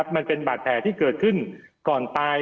มันเป็นบาดแผลที่เกิดขึ้นก่อนตาย